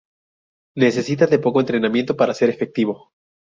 Necesita de poco entrenamiento para ser efectivo.